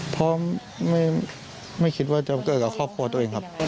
เพราะไม่คิดว่าจะเกิดกับครอบครัวตัวเองครับ